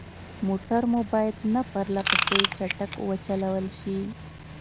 موټر مو باید نه پرلهپسې چټک وچلول شي.